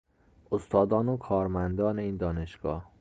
استادان و کارمندان این دانشگاه